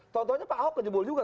contohnya pak ahok kejebol juga